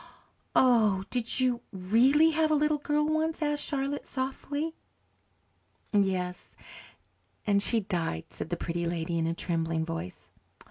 "Oh, did you really have a little girl once?" asked Charlotte softly. "Yes, and she died," said the Pretty Lady in a trembling voice.